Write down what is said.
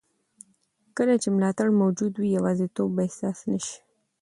کله چې ملاتړ موجود وي، یوازیتوب به احساس نه شي.